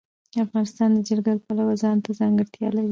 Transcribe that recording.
افغانستان د جلګه د پلوه ځانته ځانګړتیا لري.